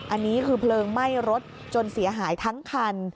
อันนี้คือเพลิงไหม้รถจนเสียหายทั้งคัน